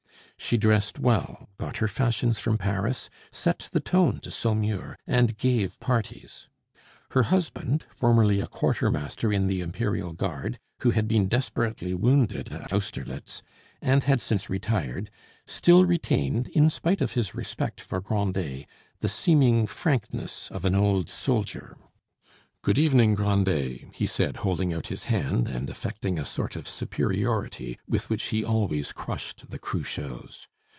She dressed well, got her fashions from Paris, set the tone to Saumur, and gave parties. Her husband, formerly a quartermaster in the Imperial guard, who had been desperately wounded at Austerlitz, and had since retired, still retained, in spite of his respect for Grandet, the seeming frankness of an old soldier. "Good evening, Grandet," he said, holding out his hand and affecting a sort of superiority, with which he always crushed the Cruchots.